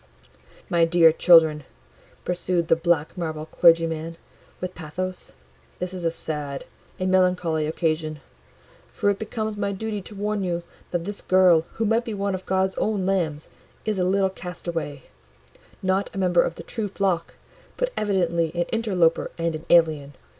"My dear children," pursued the black marble clergyman, with pathos, "this is a sad, a melancholy occasion; for it becomes my duty to warn you, that this girl, who might be one of God's own lambs, is a little castaway: not a member of the true flock, but evidently an interloper and an alien.